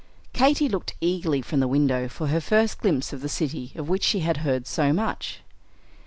Katy looked eagerly from the window for her first glimpse of the city of which she had heard so much.